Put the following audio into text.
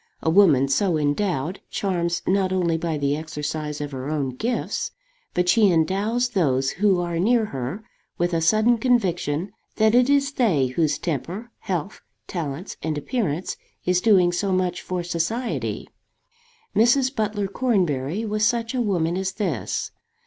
A woman so endowed charms not only by the exercise of her own gifts, but she endows those who are near her with a sudden conviction that it is they whose temper, health, talents, and appearance is doing so much for society. Mrs. Butler Cornbury was such a woman as this.